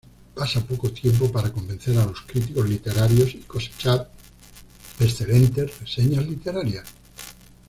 Pasa poco tiempo para convencer a los críticos literarios y cosechar excelentes reseñas literarias.